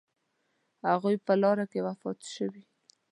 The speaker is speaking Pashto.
هغوی په لاره کې وفات شوي.